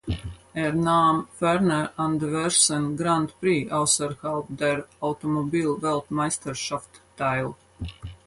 Er nahm ferner an diversen Grand Prix außerhalb der Automobilweltmeisterschaft teil.